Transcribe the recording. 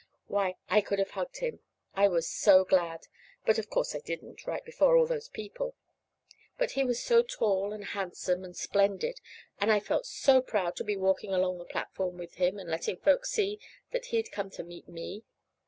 Why, I could have hugged him, I was so glad. But of course I didn't, right before all those people. But he was so tall and handsome and splendid, and I felt so proud to be walking along the platform with him and letting folks see that he'd come to meet me!